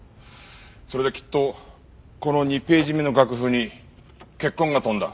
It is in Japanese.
それできっとこの２ページ目の楽譜に血痕が飛んだ。